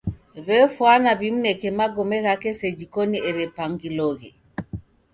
W'efwana w'imneke magome ghape seji koni erepangiloghe.